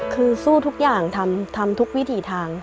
คือสู้ทุกอย่างทำทุกวิถีทาง